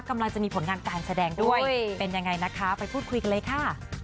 กำลังจะมีผลงานการแสดงด้วยเป็นยังไงนะคะไปพูดคุยกันเลยค่ะ